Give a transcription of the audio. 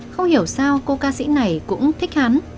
không hiểu sao cô ca sĩ này cũng thích hắn